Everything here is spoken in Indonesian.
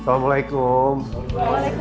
assalamualaikum warahmatullah pak